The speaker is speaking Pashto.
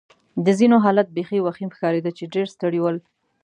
د ځینو حالت بېخي وخیم ښکارېده چې ډېر ستړي ول.